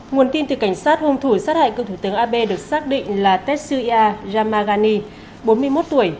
nguồn tin từ cảnh sát hôm thủy sát hại cựu thủ tướng abe được xác định là tetsuya yamagami bốn mươi một tuổi